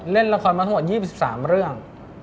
เล่นละครมาโทษ๒๓เรื่อง